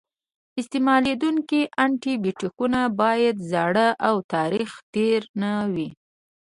استعمالیدونکي انټي بیوټیکونه باید زاړه او تاریخ تېر نه وي.